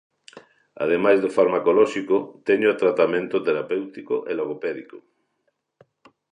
Ademais do farmacolóxico, teño tratamento terapéutico e logopédico.